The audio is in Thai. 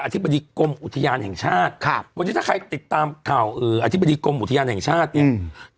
ธิบดีกรมอุทยานแห่งชาติครับวันนี้ถ้าใครติดตามข่าวเอ่ออธิบดีกรมอุทยานแห่งชาติเนี่ยอืม